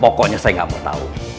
pokoknya saya nggak mau tahu